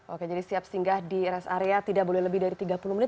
oke jadi siap singgah di rest area tidak boleh lebih dari tiga puluh menit